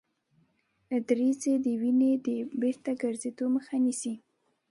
دریڅې د وینې د بیرته ګرځیدلو مخه نیسي.